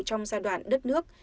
trong giai đoạn đất nước